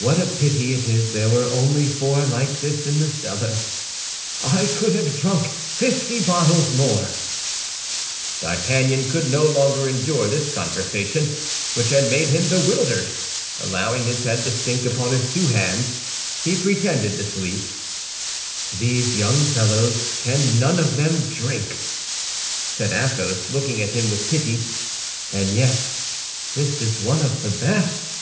"What a pity it is there were only four like this in the cellar. I could have drunk fifty bottles more." D'Artagnan could no longer endure this conversation, which had made him bewildered. Allowing his head to sink upon his two hands, he pretended to sleep. "These young fellows can none of them drink," said Athos, looking at him with pity, "and yet this is one of the best!"